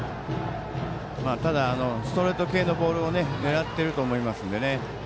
ただ、ストレート系のボールを狙っていると思いますのでね。